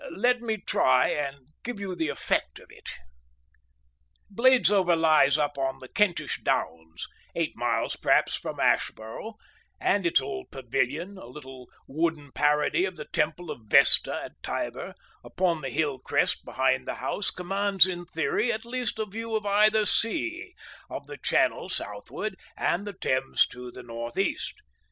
Let me try and give you the effect of it. Bladesover lies up on the Kentish Downs, eight miles perhaps from Ashborough; and its old pavilion, a little wooden parody of the temple of Vesta at Tibur, upon the hill crest behind the house, commands in theory at least a view of either sea, of the Channel southward and the Thames to the northeast.